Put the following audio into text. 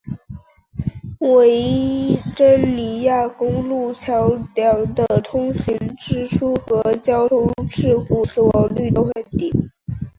维珍尼亚公路桥梁的通行支出和交通事故死亡率都很低。